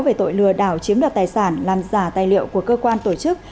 về tội lừa đảo chiếm đoạt tài sản làm giả tài liệu của cơ quan tổ chức